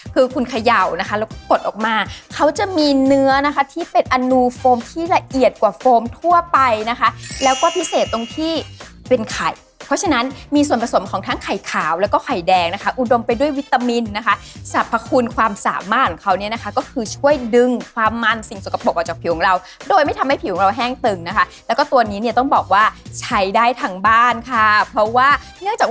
คุณเขย่านะคะแล้วก็ปลดออกมาเขาจะมีเนื้อนะคะที่เป็นอนูโฟมที่ละเอียดกว่าโฟมทั่วไปนะคะแล้วก็พิเศษตรงที่เป็นไข่เพราะฉะนั้นมีส่วนผสมของทั้งไข่ขาวแล้วก็ไข่แดงนะคะอุดมไปด้วยวิตามินนะคะสรรพคุณความสามารถของเขาเนี่ยนะคะก็คือช่วยดึงความมั่นสิ่งสกปรกออกจากผิวของเราโดยไม่ทำให้ผิวของเราแห้งตึงนะคะแล